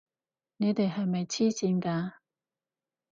你哋係咪癡線㗎！